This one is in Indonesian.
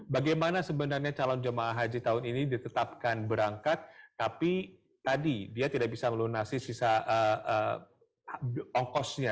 bagaimana sebenarnya calon jemaah haji tahun ini ditetapkan berangkat tapi tadi dia tidak bisa melunasi sisa ongkosnya